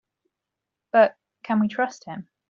But can we trust him?